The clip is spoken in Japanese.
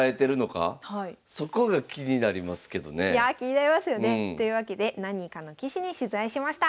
いやあ気になりますよね。というわけで何人かの棋士に取材しました。